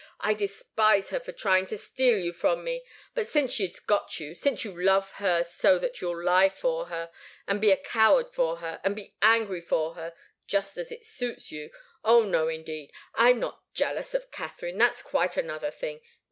I despise her for trying to steal you from me, but since she's got you since you love her so that you'll lie for her, and be a coward for her, and be angry for her just as it suits you oh no, indeed! I'm not jealous of Katharine. That's quite another thing.